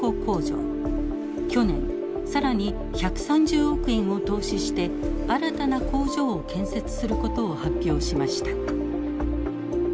去年更に１３０億円を投資して新たな工場を建設することを発表しました。